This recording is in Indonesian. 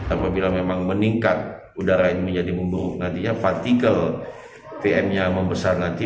apabila memang meningkat udara yang menjadi memburu nantinya partikel pm nya membesar nanti